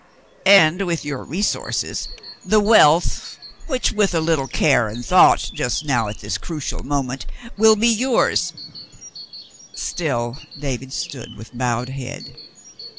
"And with your resources — the wealth which, with a little care and thought just now at this crucial moment, will be yours —" Still David stood with bowed head.